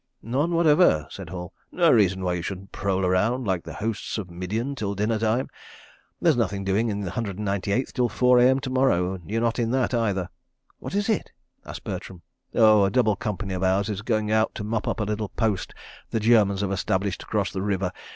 "None whatever," said Hall. "No reason why you shouldn't prowl around like the hosts of Midian till dinner time. There's nothing doing in the Hundred and Ninety Eighth till four a.m. to morrow, and you're not in that, either." "What is it?" asked Bertram. "Oh, a double company of Ours is going out to mop up a little post the Germans have established across the river.